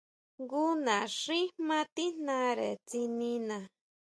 Jngu naxín jmá tíjnare tsinina.